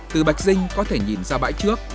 từ bạch dinh có thể nhìn ra bãi trước